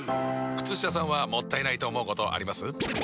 靴下さんはもったいないと思うことあります？